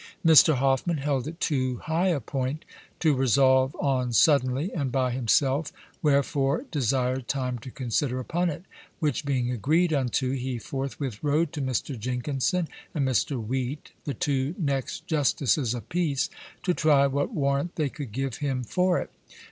Mr. Hoffman held it too high a point to resolve on suddenly and by himself, wherefore desired time to consider upon it, which being agreed unto, he forthwith rode to Mr. Jenkinson and Mr. Wheat, the two next Justices of Peace, to try what warrant they could give him for it.